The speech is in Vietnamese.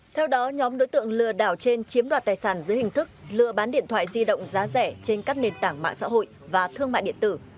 theo đó nhóm đối tượng lừa đảo trên chiếm đoạt tài sản dưới hình thức lừa bán điện thoại di động giá rẻ trên các nền tảng mạng xã hội và thương mại điện tử